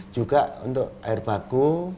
juga untuk air baku